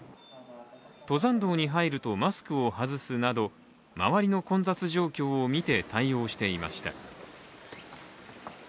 登山道に入るとマスクを外すなど周りの混雑状況を見て対応していました。